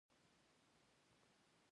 پکتیا د افغانستان د موسم د بدلون سبب کېږي.